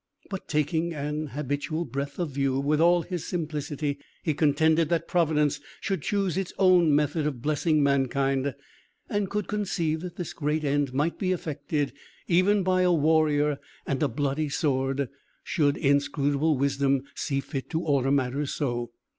But, taking an habitual breadth of view, with all his simplicity, he contended that Providence should choose its own method of blessing mankind, and could conceive that this great end might be effected even by a warrior and a bloody sword, should inscrutable wisdom see fit to order matters so.